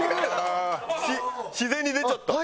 自然に出ちゃった。